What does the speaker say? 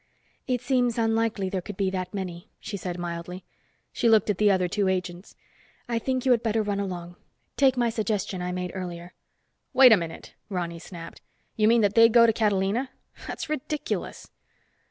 "It seems unlikely there could be that many," she said mildly. She looked at the other two agents. "I think you two had better run along. Take my suggestion I made earlier." "Wait a minute," Ronny snapped. "You mean that they go to Catalina? That's ridiculous."